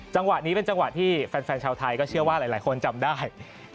จังหวะนี้เป็นจังหวะที่แฟนชาวไทยก็เชื่อว่าหลายคนจำได้